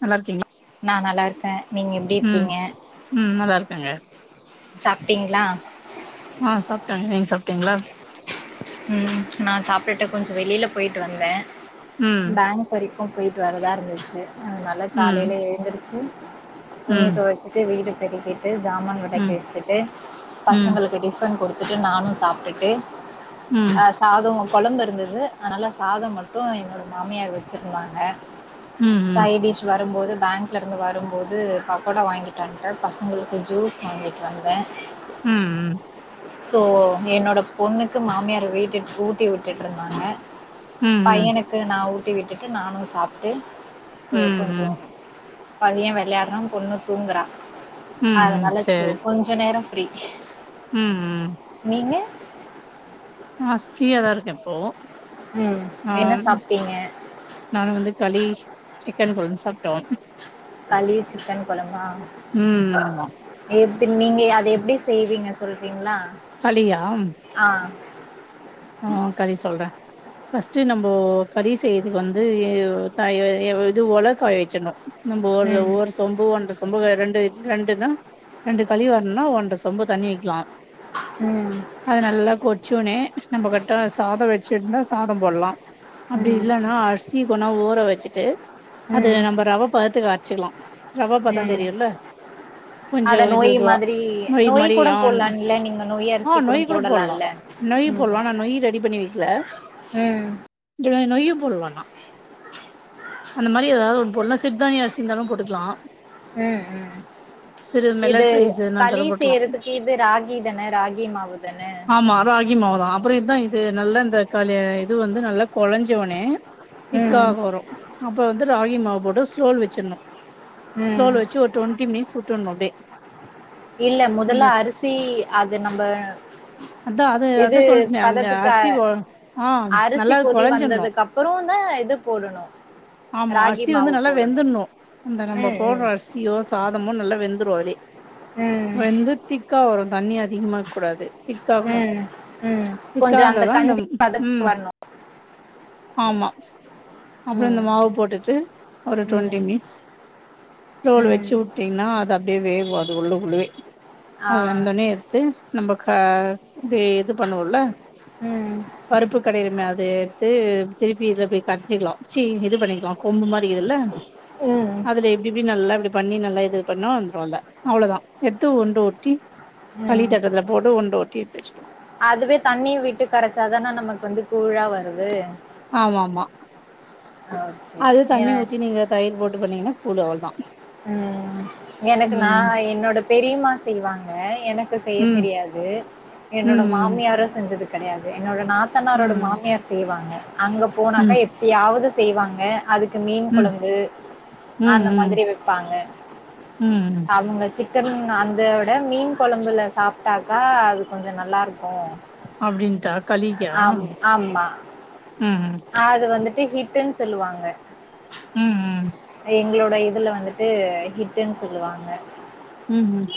நல்லா இருக்கீங்க நான் நல்லாிருக்கேன் நீங்க எப்படி இருக்கீங்க ம் நல்லா இருக்கேங்க சாப்பிட்டீங்களா ஆ சாப்ட்டேங்க நீங்க சாப்ட்டீங்களா ம் நான் சாப்பிட்டுட்ட கொஞ்சம் வெளியில போயிட்டு வந்தேன் ம் பேங்க வ அக்கும் போயிவிட்டு வரதாக இருந்துச்சு நல்ல ம் காலையில் எழுந்திருச்சி ம் புனித வச்சு வீட்டு பெ கேட்டு [unintelligible] து சாமான் விடைக்க ம் வச்சட்டு ம் பசங்களுக்கு டிபன் கொடுத் த்துட்டு நானும் சாப்பிட்டுட்டு ம் அஹ் சாதம் குழம்பு இருந்தது அதனால சாதம் மட்டும் என்னோட மாமியார் வச்சிருந்தாங்க ம் ம் சை டிஷ் வரும்போது பேங்க்லேருந்து வரும்போது பகோடா வாங்கிட்டு வந்துட்டேன் பசங்களுக்கு ஜூஸ் வாங்கிகிட்டு வந்தேன் உம் உம் சோ என்னோட பொண்ணுக்கு மாமியார் இருக் வீட்டுக் ஊட்டி விட்டுட்டு இருந்தாங்க ம் ம் பையனுக்கு நான் ஊ ஊட்டி விட்டுட்டு நானும் சாப்ட்டு ம் ஆ ம் ம் கொஞ்சோம் பையன் விளையாட்றான் பொண்ணு தூங்குறா அது ம் நல்லாச்சு கொஞ்ச நேரோம் அப்டி உம் உம் ஆஹ் பிரியாதான் இருக்கேன் இப்போ உம் ஆ என்ன சாப்ட்டீங்க நானு வந்து களி சிக்கன் குழம்பு சாப்டோம் களி சிக்கன் குழம்ப உம் ஆமா நீங்க அத எப்டி செய்வீங்க சொல்றீங்களா களியா ஆ. ஆ களி சொல்றேன் பஸ்ட் நம்போ களி செய்றதுக்கு வந்து இது தாயோ ஒல காய வச்சிணும் நம்ப ம். ஒரு சொம்பு ஒன்ற சொம்பு ரெண்டு ரெண்டுன்னா ரெண்டு கழிவருனுனா ஒன்ற சொம்பு தண்ணி வக்கிலாம் ம். அது நல்லா கொதிச்சோனே நம்ம கிட்ட சாதம் வெச்சுருந்தா சாதம் போட்லாம் அப்டி ம். இல்லன்னா அரிசி அப்பனா ஊற வச்சுட்டு அது நம்ம ரவ பாத்து கரச்சிக்கலாம் உம் அத கொஞ்சோ இது நொய் இதுவா மாரி நொய் மாரி கூட ஆன் போட்லா இல்ல நீங்க நொய் அரிசி கூட போடலால்ல உம் போட்லாம் நான் நொய் ரெடி பண்ணி வைக்கல ம் [unintelligible] நொய்யும் போடலானா அந்த மாரி ஏதாவது ஒண்ணு போடலா சிறுதானிய அரிசி இருந்தாலும் போட்டுக்கலாம் ம் ம் இது மெலட் ரைஸ் எதுனா இருந்தாலு களி போட்டுக்கலா செய்றதுக்கு இது ராகி தானே ராகி மாவு தானே கு அப்புறம் இதான் இது நல்லா இந்த கலிய இது வந்து நல்லா கொழஞ்சோனே ம் திக்காக வரும் அப்ப வந்து ராகி மாவு போட்டு ஸ்லோல வச்சிணும் ஸ்லோல ம் வச்சு ஒரு டுவெண்ட்டி மினிட்ஸ் வுட்றனும் அப்டியே இல்ல அந்த மொதல்ல அரிசி அது நம்ம இது சொல்லனேன் அந்த பதத்துக்கு அரிசி அ- ஆஹ் அரிசி நல்லா கொதி கொலஞ்சடணும் வந்ததுக்கு அப்புறம் தான் இது போடணும் ஆமா ராகி அரிசி மாவு வந்து நல்லா போடணும் வெந்துட்ணும் அந்த நம்ம ம் போடுற ம் அரிசியோ சாதமோ நல்லா வெந்துரு அதிலயே ம் வெந்துத்திக்கா வரும் தண்ணியா திகமா இருக் கூடாது திக் காகணும் உம் கொஞ்சம் அந்த கஞ்சி ம் பதத்துக்கு வரணும் ஆமா அப்புறம் ம் இந்த மாவு போட்டுட்டு ஒரு ம் டுவெண்ட்டி மினிட்ஸ் டோல் ம் வச்சு வுட்டீங்ன்னா அத அப் அ வே அது உள்ள உள்ளுவே ஆ அது வந்தோனே எடுத்து நம்ம கா தே இது பண்ணுவம்ல ம் பருப்பு கடையிர அது எடுத்து திருப்பி இதுல போய் க்சிக்கலாம் சி இது பண்ணிக்கலாம் கொம்பு மாதிரி [unintelligible] ம் அதுல எப்டி போய் நல்லா இப்டி பண்ணி நல் இது பண்ணும் வந்துரும்ல அவ்வளவுதான் எடுத்து உண்டு ஓட்டி ம் பளித்தட்டத்துல போட்டு உண்ட வுட்டி எடுத்துச்சுட்டோம் அதுவே தண்ணிய விட்டு கரைச்சாதான நமக்கு வந்து கூழா வருது ஆமா ஆமா ஓகே அது ஏ தண்ணி ஊத்தி நீங்க தயிர் போட்டு பண்ணீங்கன்னா [unintelligible] தான் உம் எனக்கு நான் என்னோட பெரியமா செய்வாங்க எனக்கு செய்ய ம் தெரியாது என்னோட ம் மாமியாரோ செஞ்சதுக்கு கிடையாது என்னோட ம் நாத்தன்னாரோட ம் மாமியார் செய்வாங்க அங்க போனாக்கா ம் எப்படியாவது செய்வாங்க அதுக் கு மீன் ம் குழம்பு ம் அந்த ம் மாதிரி வ ப்பாங்க ம் அவங்க சிக்கன் அந்த விட மீன் குழம்புல சாப்பிட்டாக்கா அது கொஞ்ச நல்லா இருக்கு அப்படின்டா ஆம் ஆமா ம் அது வந்துட் ஹிடன்னு சொல்லுவாங்க உம் உம் எங்களோட இதுல வந்துட்டு ஹட்டுன்னு சொல்லுவாங்க உம் உம்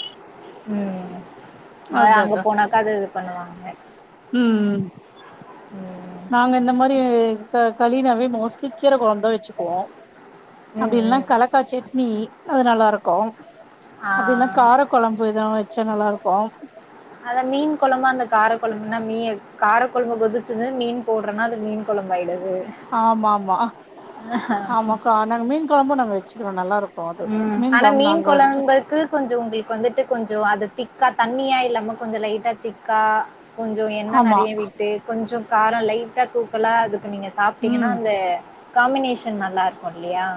உம் அதன அங்க போனாக்கா அது பண்ணுவாங்க உம் உம் ம். நாங்க இந்த மாரி ப்ப கலனாவே மோஸ்ட்லி கீரை குழந்தான் வேச்சுக்குவோம் ம், அப்படி ம். இல்லையானா கலக்கா சட்னி அது நல்லா இருக்கும் ஆ. அப்படில்னா கார குழம்பு இததான் வச் பச்ச நல்லா இருக்கும் அத மீன் குழம்ப அந்த காரக்குழம்புனா மீ காரக்குழம்பு கொதிச்சது மீன் போடுறேன்னா அது மீன் குழம்பு ஆயிடு ஆமா ஆமா ஆமாக நாங்க மீன் குழம்பு நாங்க வச்சு நல்லா இருக் உம் ஆனா மீன் குழபக்கு கொஞ்சம் உங்களுக்கு வந்துட்டு கொஞ்சம் அத திக்கா தண்ணியா இல்லாம கொஞ்ச லைட்டா திக்கா கொஞ்ச எண்ணெ ஆமா நெறய வீட்டு கொஞ்சம் காரம் லைட்டா தூக்கலா அது இப்ப நீங்க சாப்பிட்டீங்கன்னா ம் அந்த காம்பினேஷன் நல்லா இரு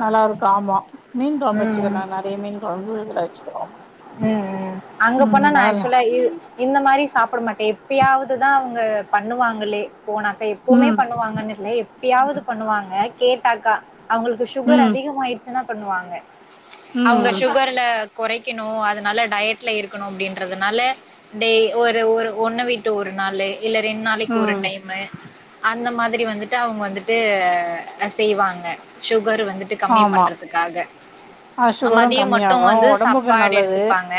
நல்லா இருக்கும் ஆமா மீன் மீன் கொழம்பச்சுக்க ம். ந நறைய மன் கொழம்பு இதுல வெச்சிக்கிறோம் ஹம் அங்க போனா நான் ஆக்சுவலா இந்த மாரி சாப்பிட மாட்டேன் எப்பயாவதுதான் அவங்க பண்ணுவாங்களே போனாக்க எப்பவுமே ம் பண்ணுவாங்கன்னு இல்ல எப்பயாவது பண்ணுவாங்க கேட்டாக்கா அவங்களுக்கு சுகர் ம் அதிகமா ஆயிடுச்சுன்னா பண்ணுவாங்க அவங்க ம் ம் சுகர்ல குறை க்கணும் அதனால டயட்ல இருக்கணும் அப்படின்றதுனால டெய் ஒரு ஒரு ஒன்னு வீட்டு ஒரு நாளு இல்ல ரெண்டு நாளைக்கு ஒரு ம் டைமு அந்த மாதிரி வந்துட்டு அவங்க வந்துட்டு செய்வாங்க சு சுகர் வந்துட்டு கம்மி ஆமா பண்றதுக்காக ஆ நம்ம சுகரும் மதியோ மட்டும் கம்மியாகு வந்து சாப் ஒடம்புக்கு சாப்பாட் நல்லது எடுத்துப்பாங்க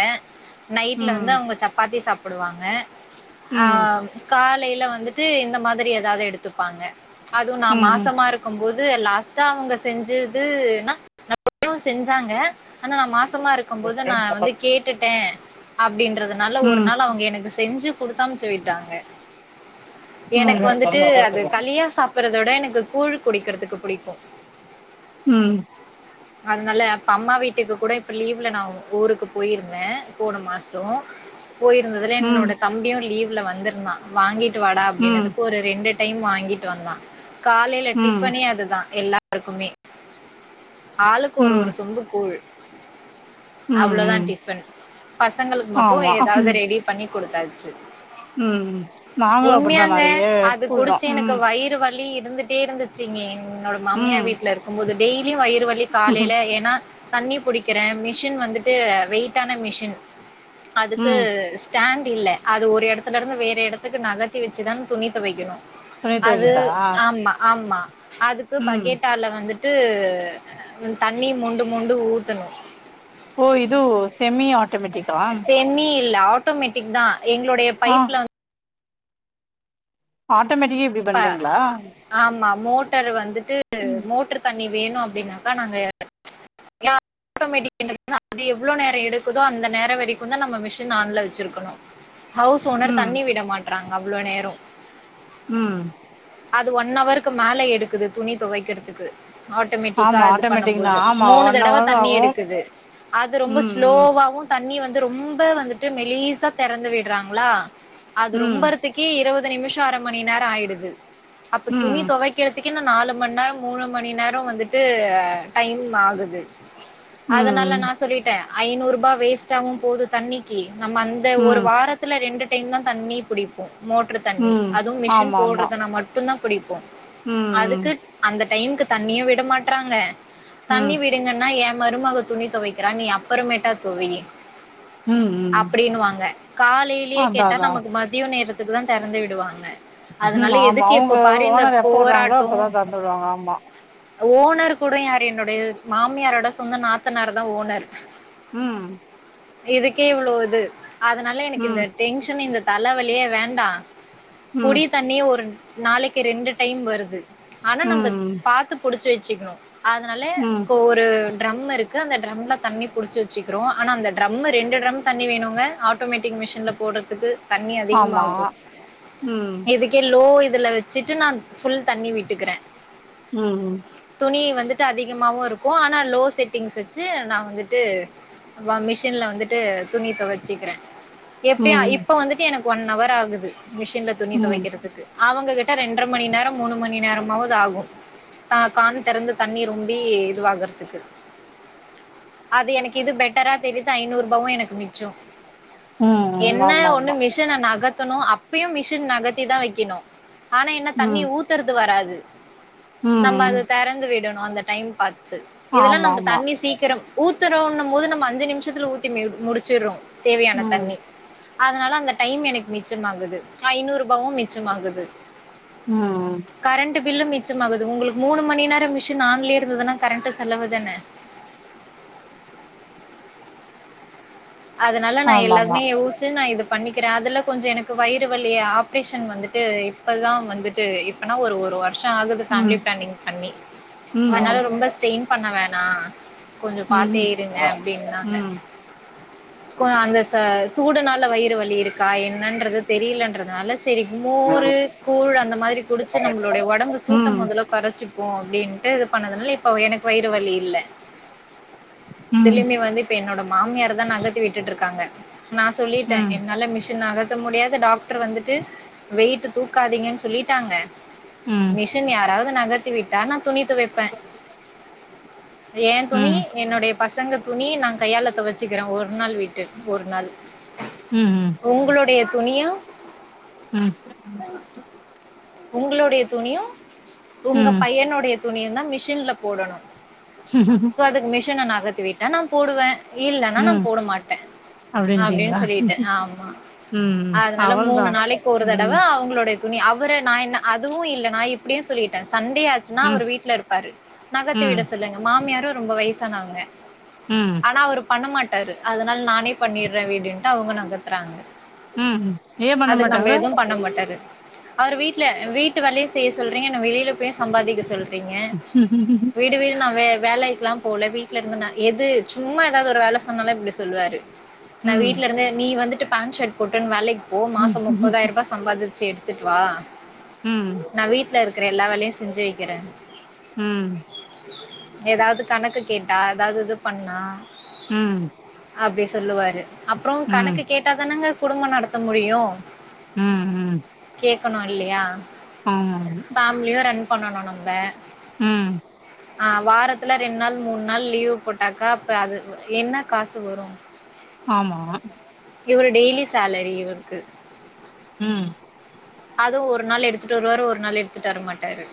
நைட்ல வந்து ம் அவங்க சப்பா ப்பாதி சாப்பிடுவாங்க ங்க ம் ஆம் கால் லையில வந்துட்டு இந்த மாதிரி ஏதாது எடுத்துப்பாங்க அதுவு நா ம் ம் ம் மாசமா இருக்கும் போது ந்து லாஸ்டா அவங்க செஞ்சது நா நா செஞ்சாங்க ஆனா நான் மாசமா ம் பக்கும்போது நா வந்து கேட்டுட்டே அப்டின்றதுனால ஒரு நாள் அவங்க எனக்கு செஞ்சு குடுத்தாமச்சு விட்டாங்க ம் ம் ம் எனக்கு வந்துட்டு அது கலியா சாப்பிறதோட எனக்கு ங்க கூழ் குடிக்கிறதுக்கு புடிக்கு உம் அதனால அப்ப அம்மா வீட்டுக்கு கூட இப்ப லீவ் ல நா ஊருக்கு போயிருந்தேன் போன மாசோ போயிருந்ததுல என்னோட தம்பியு லீவ் ல வந்திருந்தான் வாங்கி வாடா ம் அப்பிடினதுக்கு ஒரு ரெண்டு டோ டைம் வாங்கிட்டு வந்தான் காலையில டிஃபனே அதுதா எல்லா ருக்குமே ஆளுக்கு ஒரு ம் ஒரு சொம்பு கூழ் [unintelligible] ம் அவ்ளோதா ம் டிஃபன் பசங்களுக்கு மட்டு ஆமா ஏதாது ரெடி பண்ணி கொடுத்தாச்சு உம் நாங்களும் அப்படிதான் நிறைய அது கூல் தா குடிச்சு எனக்கு உம் வயிறு வலி இருந்துட்டே இருந்துச்சுங்க என்னோட மாமியர் வீட்ல இருக்கும்போது டேய் லி வயிறு வலி ம் காலையில ஏனா தண்ணி குடிக்கிறேன் மி மிஷின் வந்துட்டு வெயிட்டான மிஷின் அதுக்கு ஸ்டன் இல்ல அது ஒரு இடத்துல இருந்து வேற இடத்துக்கு நகத்தி வச்சு தான் துணி துவைக்கணும் துணி அது தொவைக்குதா ஆம்மா ஆம்மா அதுக்கு ம் பக்கேட்டால வந்து டு தண்ணி மொண்டு மொண்டு ஊத்தணும் ஓ இதுவு செம்மி ஆட்டோமேட்டிக்கா செமி இல்ல ஆட்டோமேட்டிக் தான் எங்களுடைய ஆ பைப்ல ஹாட் ஆட்டோமேட்டிக்கே இப்டி பண்றீங்களா ஆமா மோட்டர் வந்து ட்டு ம் மோட்டர் தன் நீ வேணும் அப்டின்னாக்கா நாங்க ஆட்டோமேட்டிக் அது எவ்வளவு நேரம் எடுக்குதோ அந்த நேரம் வரைக்கும் தான் நம்ம மிஷின் ஆன்ல வச்சிருக்கணும் ஹவுஸ் ஓனர் ம் தண்ணி விட மாட் ரங்க அவளோ நேரம் உம் அது ஒன் அவருக்கு மேல எடுக்குது துணி துவைக்கிறதுக்கு ஆட்டோமேட்டிக்கா ஆமா இது பண்ணும் ஆட்டோமேட்டிக்னா போது ஆமா மூணு ஒன் தடவ ஹவர் ஆகு எடுக்குது அது ம் ரொம்ப ம் ஸ்லோவவும் த தண்ணி வந்து ரொம்பா வந்துட்டு மெலிசா திறந்து விடுறாங்களா அது ரொம்பர்த்துக்கு இருவது நிமிஷம் அரை மணி நேரம் ஆயிடுது அப்ப துணி ம் துவைக்க திக்குன்னு நாலு மணி நேரம் மூணு மணி நேரம் வந்துட்டு டைம் ஆகுது அதனால ம் நான் சொல்லிட்ட ஐநூறு ரூபா வேஸ்ட் ஆவும் போகுது தண்ணிக்கு நம்ம அந்த ஒரு ம் வாரத்துல ரெண்டு டைம்தா தண்ணி புடிப்போம் மோட்ரு தண்ணி ம் அதுவும் மிஷின் ஆமா ஆமா போடுறதுனா மட்டும்தா பிடிப்போம் அதுக்கு ம் அந்த டைமுக்கு தண்ணியும் விட மாட்றாங்க ம் தண்ணி விடுங்க என் மருமக துணி துவைக்கிறான் நீ அப்புறமேட்டா தொவி ம் ம் அப்படின்னு வாங்க காலையிலயே அதா கேட்டா அதா நமக்கு மதியம் நேரத் துக்கு தான் திறந்து விடுவாங்க ம் அதனால ஆமா எதுக்கு அவங்க இப்ப பாரு இந்த ஓனர் எப்ப வறாங்களோ போராட்டம் அப்பதான் தொறந்து விடுவாங்க ஆமா ஓனர் கூட யார் என்னுடைய மாமியாரோட சொந்த நாத்தனார் தான் ஓனர் உம் இதுக்கே இவ்வளவு இது அதனால எனக்கு இந்த ம் டென்ஷன் இந்த தலைவலியே வேண்டாம் குடி ம் தண்ணி ஒரு நாளைக்கு ரெண்டு டைம் வருது ஆனா நம்ம ம் பாத்து புடிச்சு வச்ச சிகா அதனாலே ம் ஒரு ட்ரம் இருக்கு அந்த ட்ரம்ல தண்ணி புடிச்சி வச்சுக்கிறோம் ஆனால் அந்த ட்ரம்மில ரெண்டு ட்ரம் தண்ணி வேணுங்க ஆட்டோமேட்டிக் மிஷினில போடுறதுக்கு தண்ணி ஆமா அதிகமாகும் ம் இதுக்கே லோ இதுல வச்சுட்டு நான் புல் தண்ணி விட்டுக்கிறேன் உம் உம் தண்ணி வந்துட்டு அதிகமாவும் இருக்கும் ஆனா லோ செட்டிங்ஸ் வச்சு நான் வந்துட்டு மிஷின்ல வந்துட்டு துணி தொவச்சிக்கிறேன் எப்படியு ம் இப்ப வந்துட்டு எனக்கு ஒன் ஹவர் ஆகுது மிஷின்ல துணி ம் துவைக்கிறதுக்கு அவங்க கிட்ட ரெண்ரமணி நேரம் மூணு மணி நேரமாவது ஆகும் கான் திறந்த தண்ணி ரொம்பி வாங்கறதுக்கு அது எனக்கு இது பெட்டரா தெரியுது ஐநூறு ரூபாவும் எனக்கு மிச்சம் ம் என்ன ஆமா ஒண்ணு ஆமா மிஷ நகத் த்தணும் அப்பயும் மிஷின் நகத்தி தான் வைக்கணு ஆனா என்ன தண்ணி ம் ஊத்துறது வராது ம் நம்ம அத தெறந்து விடணு அந்த டைம் பாத் து இதெல்லாம் ஆமா நம்ம ஆமா தண்ணி சீக்கிரம் ஊத்துறோன்னும் போது நம்ம அஞ்சு நிமிஷத்துல ஊற்றி மே முடிச்சிடுறோம் தேவையான ம் தண்ணி அதனால அந்த டைம் எனக்கு மிச்சமாகுது ஐநூறு ரூபாவும் மிச்சமாகுது உம் ட்டு பில்லும் மிச்சமாகுது உங்களுக்கு மூணுமணி நேரம் மிஷின் ஆன்லே இருந்துத்துன கரண்ட்டு சொலவு தானே அதனால நா ஆமா ஆமா எல்லாமே யோச்சு நா இது பண்ணிக்கிற அதுல கொஞ்ச எனக்கு வயிறு வலிய ஆப்ரேஷன் வந்துட்டு இப்பதான் வந்துட்டு இப்பனா ஒரு ஒருவ வாஷம் ஆகுது ம் ஃபேமிலிபிளானிங் பண்ணி ம் அதுனால ரொம்ப ஸ்டென் பண்ண வேணா கொஞ்ச பாத்தே ம் இருங்க அப்படின்னாங்க கோ அந்த ச சூடுனால வயிறு வலி இருக்கா என்னன்றது தெரியலன்றதுனால சேரி ம் மோர் ம் கூழ் அந்த மாதிரி குடிச்சு நம்மலோடைய உடம்பு சூட்ட ம் முதல்ல கொறைச்சி ஓ அப்டின்னுட்டு இது பண்ணதுனாலப் இப்ப எனக்கு வயிறு வலி இல்ல ம் திரும்பி வந்து இப்ப என்னோட மாமியார் தான் நக விட்டுட்டு இருக்காங்க நா சொல்லிட்டேன் ம் என்னால மிஷின் ஆக முடியாத டாக்டர் வந்துட்டு வெயிட்டு தூக்காதீங்கன்னு சொல்லிட்டாங்க ம் ம் மிஷன் யாராவத நகர்த்திவிட்டா நா துணி துவைப்ப ஏன் துணி ம் என்னுடைய பசங்க துணி நா கையாள துவச்சுக்கிறே ஒரு ஒரு நாள் விட்டு ஒரு நாள் ம் உங்களுடைய துணியா ம் உங்களுடைய துணியும் உங்க ம் பையனுடைய துணியும் தான் மிஷின்ல போடணும் சோ அதுக்கு மிஷன நா நகதி விட்டா நான் போடுவேன் இல்லனா நா ம் போட மாட்டேன் அப்படின்னு அப்டின்ட்டீங்களா சொல்லிட்டேன் ஆமா ம் அதனால மூணு அவள்தா நாளைக்கு ஒரு ம் தடவை அவுங்களோட துணி அவரை நான் என்ன அதுவும் இல்லனா இப்படியும் சொல்லிட்டேன் சண்டையாச்சுனா ம் அவரு வீட்டுல இருப்பாரு நகர்தி ம் விட சொல்லுங்க மாமியாரும் ரொம்ப வயசானவங்க ம் ஆனா அவரு பண்ண மாட் டாரு அதனால நானே பண்ணிடுறேன் விடுன்ட்டு அவுங்க நகத்றாங்க ம் ஏ பண்ண அது நம்ம மாட்டாங்க எதுவும் பண்ண மாட்டாரு அவரு வீட்டுல வீட்டு வேலையும் செய்ய சொல்றீங்க என்ன வெளியில போயும் சம்பாதிக்க சொல் றீங்க வீடு வீடு நான் வே வேலை எலாம் போல வீட்டல இருந்து நா எது சும்மா ஏதாவது ஒரு வேலை அதனால இப்டி சொல்வாரு நான் ம் வீட்டு்ல இருந்தே நீ வந்துட்டு பேண்ட் ஷர்ட் போட்டு வேலைக்கு போ ம் மாசம் முப்பதாயிரம் சம்பாதிச் எடுத்துட்டு வா ம் நான் வீட்டுல இருக்கிற எல்லா வேலையும் செஞ்சு வைக்கிறேன் ம் ஏதாவது கணக்கு கேட்டா ஏதாவது இது பண்ணா உம் அப்படி சொல்லுவாரு அப்புறம் கணக்கு கேட்டாதானுங்க குடும்பம் நடத்த முடியும் உம் உம் கேட்கணும் இல்லையா ஆமாங்க பண்ணணும் நம்ப உம் ஆஹ் வாரத்துல ரெண்டு நாள் மூணு நாள் லீவு் போட்டாக்கா அப்ப அது என்ன காசு வரும் ஆமா இவரு டெய்லி சேலரி இவருக்கு உம் அதுவும் ஒரு நாள் எடுத்துட்டு வருவாரு ஒரு நாள் எடுத்துட்டு வரமாட்டாரு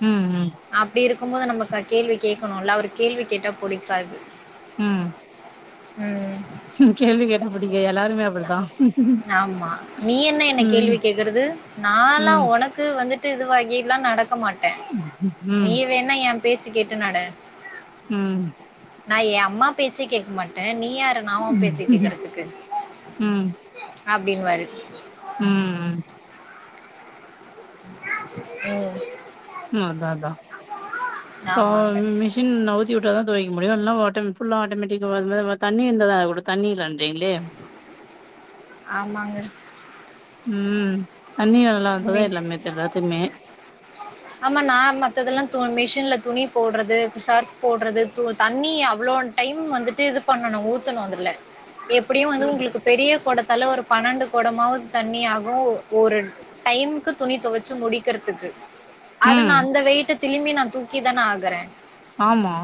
ம் ம் அப்படி இருக் பாக்கும்போது நமக்கு கேள்வி கேட்கணுல்ல அவுரு கேள்வி கேட்டா புடிக்காது உம் க்குங் கேள்வி கேட்டா பிடிக்க எல்லாருமே அப்பிடித்தான் உம் கு நானலாம் உனக்கு வந்துட்டு இதுவாகி எல்லாம் நடக் மாட்டேன் நீ ம் வேணா என் பேச்சு கேட்டு நட ம் நா என் அம்மா பேச்சே கேக்க மாட்டேன் நீயாரு நா உன் பேச்சை ம் கேட்கிறதுக்கு அப்பிடின்னுவாரு உம் உம் அதான் அதான் ஆமாங்க மிஷின் நவுத்தி வுட்டாதான் துவைக்க முடிவெல்லாம்டோ புல்லாக ஆட்டோமாட்டிக்காக தண்ணி இருந்தத அதது கூட தண்ண இல்ல ஆமாங்க உம் ஆமா நான் மத்ததெல்லாம் து மிஷின்ல துணி போடுறது சர்ப் போடறது தண்ணி அவ்வளவு டைம் வந்துட்டு இது பண்ணணும் ஊத்தணும் அதுல எப்புடியும் வந்து ம், உங்களுக்கு பெரிய குடத் தல ஒரு பன்னெண்டு கொடமாவது தண்ணி ஆகும் ஒரு டைமுக்கு துணி துவச்சு முடிக்கிறதுக்கு அத நான் ம். அந்த வெயிட்ட திளிம்பி நான் தூக்கி தானே ஆகுறேன் ஆமா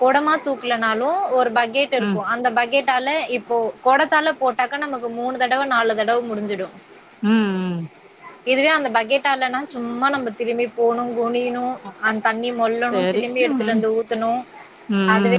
கொடமா தூக்கலனாலும் ஒரு பக் கேட் ம், இருக்கும் அந்த பக்கெட் னால இப்போ குடத்தால போட்டாக்க நமக்கு மூணு தடவை நாலு தடவ முடிஞ்சிடும் உம் உம் இதுவே அந்த பகெட்டா இலான்னா சும்மா நம்ம திரும்பி போணும் குனியனும் ம். அந்த தண்ணி மொல்லணும் சரி. திலிம்பி ம், எடுத்துட்டு வந்து ஊத்தணும் ம். அதுவே